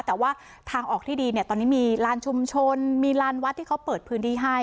แต่ว่าทางออกที่ดีเนี่ยตอนนี้มีลานชุมชนมีลานวัดที่เขาเปิดพื้นที่ให้